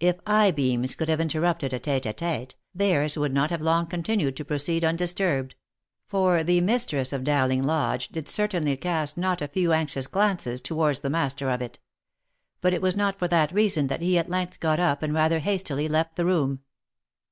If eye beams could have interrupted a tete a tete, theirs would not have long continued to proceed undisturbed ; for the mistress of Dowling Lodge did certainly cast not a few anxious glances towards the master of it ; but it was not for that reason that he at length got up and rather hastily left the room.